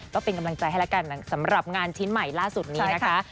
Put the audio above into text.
ก็เป็นกำลังใจให้แล้วกันสำหรับงานชิ้นใหม่ล่าสุดนี้นะคะ